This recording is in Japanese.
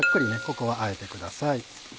ここはあえてください。